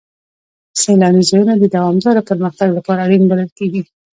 سیلاني ځایونه د دوامداره پرمختګ لپاره اړین بلل کېږي.